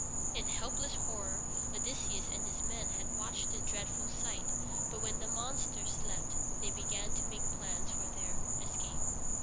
In helpless horror Odysseus and his men had watched the dreadful sight, but when the monster slept they began to make plans for their escape.